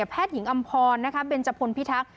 แพทย์หญิงอำพรเบนจพลพิทักษ